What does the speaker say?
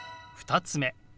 ２つ目。